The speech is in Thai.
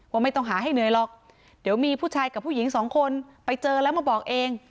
ว่าไม่ต้องหาให้เหนื่อยหรอกเดี๋ยวมีผู้ชายกับผู้หญิงสองคนไปเจอแล้วมาบอกเอง